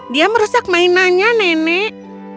dia merusak mainannya nenek